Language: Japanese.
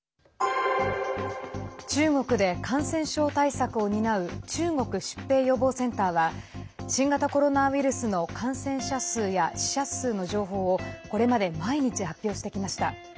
中国で、感染症対策を担う中国疾病予防センターは新型コロナウイルスの感染者数や死者数の情報をこれまで毎日、発表してきました。